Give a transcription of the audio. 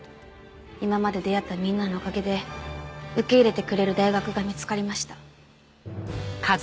今まで出会ったみんなのおかげで受け入れてくれる大学が見つかりました。